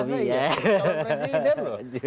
kalau presiden loh